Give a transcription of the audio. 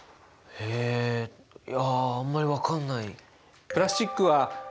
えいやあんまり分かんない。